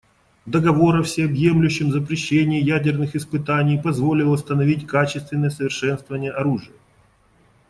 Договор о всеобъемлющем запрещении ядерных испытаний позволил остановить качественное совершенствование оружия.